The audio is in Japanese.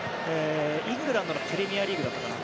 イングランドのプレミアリーグだったかな。